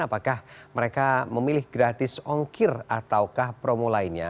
apakah mereka memilih gratis ongkir ataukah promo lainnya